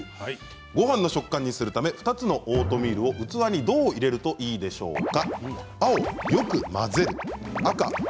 ごはんの食感にするため２つのオートミールを器にどう入れるといいでしょうか？